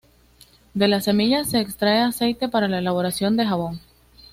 De la semilla se extrae aceite para la elaboración de jabón.